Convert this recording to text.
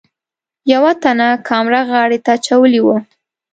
یوه تن کامره غاړې ته اچولې وه.